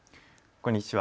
こんにちは。